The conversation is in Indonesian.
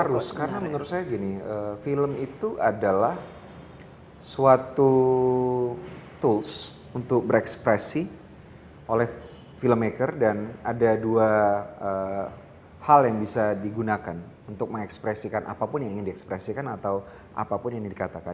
harus karena menurut saya gini film itu adalah suatu tools untuk berekspresi oleh filmmaker dan ada dua hal yang bisa digunakan untuk mengekspresikan apapun yang ingin diekspresikan atau apapun yang dikatakan